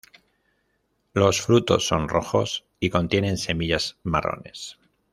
Los frutos son rojos y contienen semillas marrones.